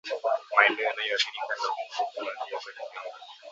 Maeneo yanayoathirika na ukurutu huanzia kwenye nyonga